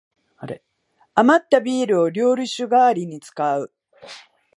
あまったビールを料理酒がわりに使う